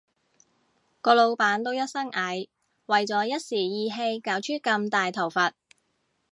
個老闆都一身蟻，為咗一時意氣搞出咁大頭佛